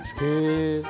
へえ。